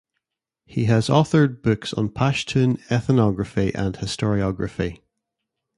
He has authored books on Pashtun ethnography and historiography.